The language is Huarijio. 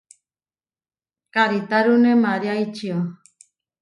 Karitárune María ičió.